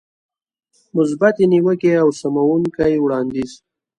مثبتې نيوکې او سموونکی وړاندیز.